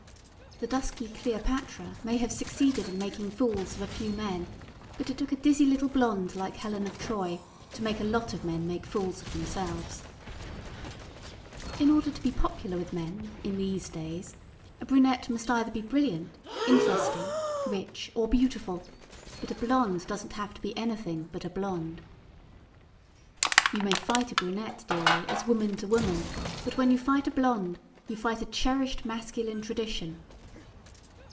The dusky Cleopatra may have succeeded in making fools of a few men, but it took a dizzy little blonde like Helen of Troy to make a lot of men make fools of themselves. In order to be popular with men, in these days, a brunette must be either brilliant, interesting, rich or beautiful; but a blonde doesn't have to be anything but a blonde. You may fight a brunette, dearie, as woman to woman, but when you fight a blonde you fight a cherished masculine tradition.